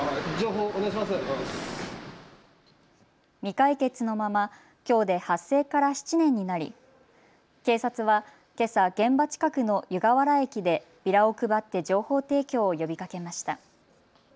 未解決のままきょうで発生から７年になり警察はけさ、現場近くの湯河原駅でビラを配って情報提供を呼びかけました。